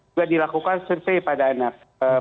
juga dilakukan survei pada anak